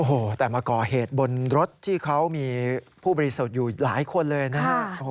โอ้โหแต่มาก่อเหตุบนรถที่เขามีผู้บริสุทธิ์อยู่หลายคนเลยนะฮะ